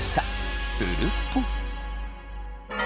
すると。